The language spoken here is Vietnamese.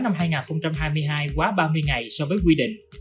năm hai nghìn hai mươi hai quá ba mươi ngày so với quy định